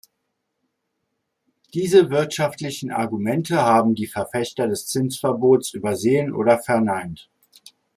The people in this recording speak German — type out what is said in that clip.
Diese wirtschaftlichen Argumente haben die Verfechter des Zinsverbots übersehen oder verneint.